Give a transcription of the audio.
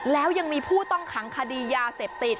แล้วยังมีผู้ต้องขังคดียาเสพติด